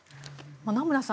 名村さん